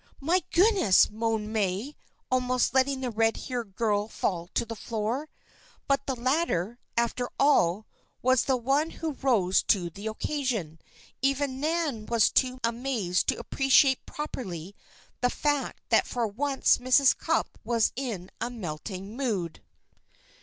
"My goodness!" moaned May, almost letting the red haired girl fall to the floor. But the latter, after all, was the one who rose to the occasion. Even Nan was too amazed to appreciate properly the fact that for once Mrs. Cupp was in a melting mood.